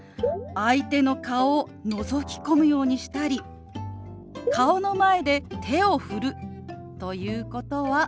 相手の顔をのぞき込むようにしたり顔の前で手を振るということはマナー違反なんです。